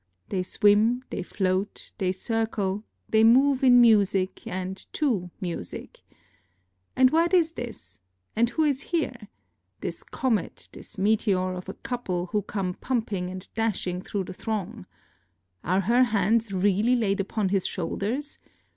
They swim, they float, they circle, they move in music and to music. And what is this, and who is here? this comet, this meteor of a couple, who come pumping and dashing through the throng. Are her hands really laid upon his shoulders?